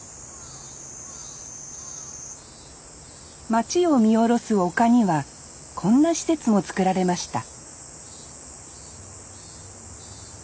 町を見下ろす丘にはこんな施設も作られました